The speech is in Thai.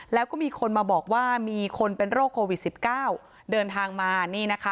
แล้วก็มีคนมาบอกว่ามีคนเป็นโรคโควิด๑๙เดินทางมานี่นะคะ